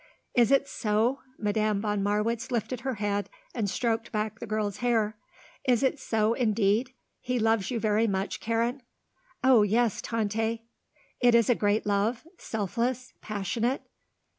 "Is it so?" Madame von Marwitz lifted her head and stroked back the girl's hair. "Is it so indeed? He loves you very much, Karen?" "Oh, yes, Tante." "It is a great love? selfless? passionate?